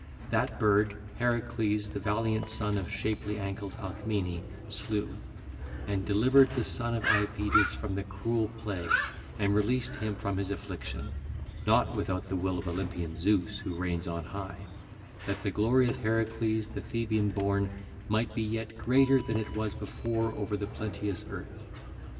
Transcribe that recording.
That bird Heracles, the valiant son of shapely ankled Alcmene, slew; and delivered the son of Iapetus from the cruel plague, and released him from his affliction—not without the will of Olympian Zeus who reigns on high, that the glory of Heracles the Theban born might be yet greater than it was before over the plenteous earth.